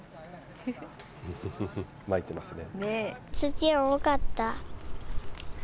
まいてますね。